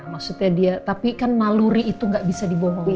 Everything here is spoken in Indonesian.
maksudnya dia tapi kan naluri itu gak bisa dibohongin